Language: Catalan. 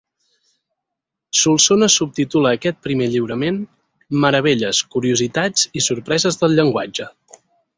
Solsona subtitula aquest primer lliurament: “Meravelles, curiositats i sorpreses del llenguatge”.